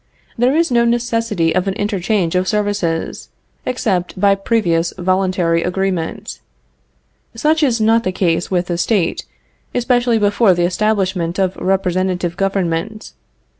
There is no necessity of an interchange of services, except by previous voluntary agreement. Such is not the case with the State, especially before the establishment of representative government.